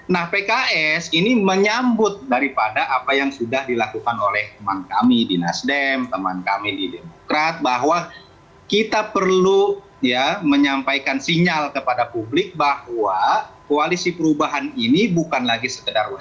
nah pks ini menyambut daripada apa yang sudah dilakukan oleh teman kami di nasdem teman kami di demokrat bahwa kita perlu ya menyampaikan sinyal kepada publik bahwa koalisi perubahan ini bukan lagi sekedar